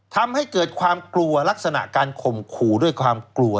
ทำให้เกิดความกลัวลักษณะการข่มขู่ด้วยความกลัว